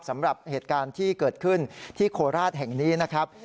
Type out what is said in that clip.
สำหรับเหตุการณ์ที่เกิดขึ้นที่โคราชแห่งนี้นะครับ